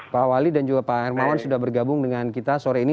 pak wali dan juga pak hermawan sudah bergabung dengan kita sore ini